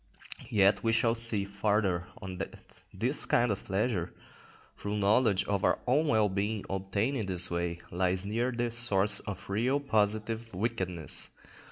_" Yet we shall see farther on that this kind of pleasure, through knowledge of our own well being obtained in this way, lies very near the source of real, positive wickedness.